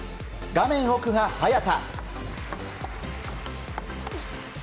画面奥が早田。